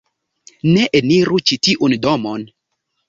Ne eniru ĉi tiun domon...